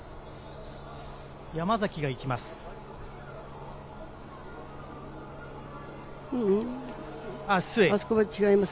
山崎が行きます。